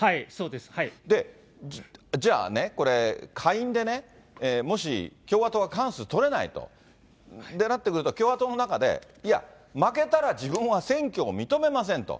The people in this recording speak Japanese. で、じゃあね、これ下院でね、もし共和党が過半数取れないと、となってくると、共和党の中で、いや、負けたら自分は選挙も認めませんと。